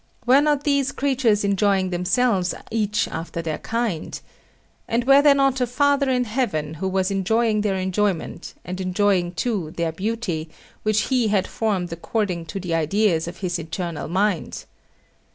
Were not these creatures enjoying themselves each after their kind? And was there not a Father in Heaven who was enjoying their enjoyment, and enjoying too their beauty, which He had formed according to the ideas of His Eternal Mind?